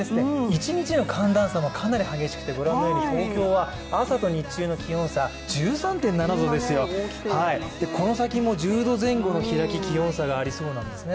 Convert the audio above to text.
一日の寒暖差もかなり激しくて、御覧のように東京は朝と日中の気温差、１３．７度ですよ、この先も１０度前後の開き、差がありそうなんですよね。